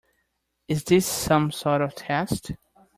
Is this some sort of test?